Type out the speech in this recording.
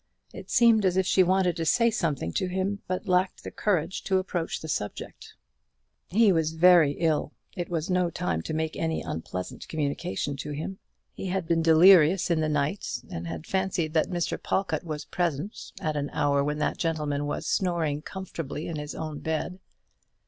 It seemed as if she wanted to say something to him, but lacked the courage to approach the subject. He was very ill; it was no time to make any unpleasant communication to him. He had been delirious in the night, and had fancied that Mr. Pawlkatt was present, at an hour when that gentleman was snoring comfortably in his own bed.